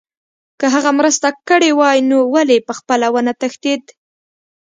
که هغه مرسته کړې وای نو ولې پخپله ونه تښتېد